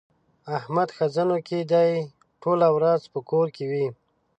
احمد ښځنوکی دی؛ ټوله ورځ په کور کې وي.